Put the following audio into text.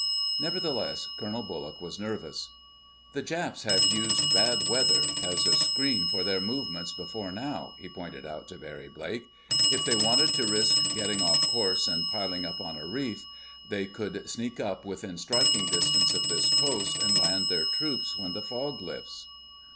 Nevertheless, Colonel Bullock was nervous. "The Japs have used bad weather as a screen for their movements before now," he pointed out to Barry Blake. "If they wanted to risk getting off course and piling up on a reef, they could sneak up within striking distance of this coast, and land their troops when the fog lifts."